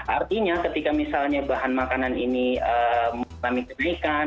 artinya ketika misalnya bahan makanan ini mengalami kenaikan